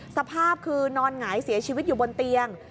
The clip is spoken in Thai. สภาพคือนอนหงายเสียชีวิตอยู่บนเตียง